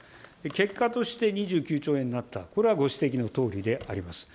結果として２９兆円になった、これはご指摘のとおりであります。